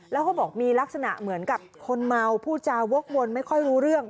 แล้วเขาบอกมีลักษณะเหมือนกับคนเมาผู้จาวกวนไม่ค่อยรู้เรื่อง